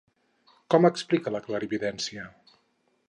Com explica la clarividència?